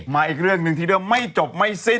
มาอีกเรื่องหนึ่งทีเรื่องไม่จบไม่สิ้น